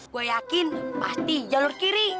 gue yakin pasti jalur kiri